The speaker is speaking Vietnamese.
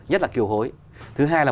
nhất là kiều hối thứ hai là